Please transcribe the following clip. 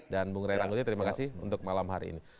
dan bung ray ranguti terima kasih untuk malam hari ini